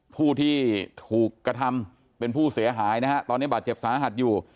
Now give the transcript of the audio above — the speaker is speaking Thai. ผู้ที่ถูกกระทำเป็นผู้เสียหายนะฮะตอนนี้บาดเจ็บสาหัสอยู่